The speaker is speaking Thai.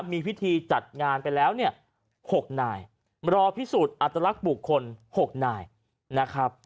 มีพิธีจัดงานไปแล้วเนี่ย๖นายรอพิสูจน์อัตลักษณ์บุคคล๖นายนะครับ